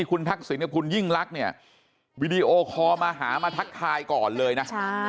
คุณทักษิณคุณยิ่งรักวีดีโอคอล์มาหามาทักทายก่อนเลยนะ